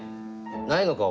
ないのか？